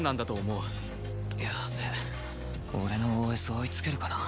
やべえ俺のＯＳ追いつけるかな。